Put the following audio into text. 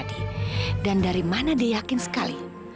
dari mana diyakin sekali